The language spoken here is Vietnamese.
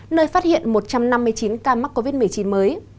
nơi phát hiện một trăm năm mươi chín ca mắc covid một mươi chín mới